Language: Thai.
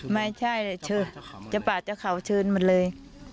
ไม่ใช่จะเปลิดเชื้อเขาชื้นหมดเลย